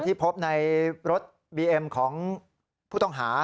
ที่พบในรถบีเอ็มของผู้ต้องหา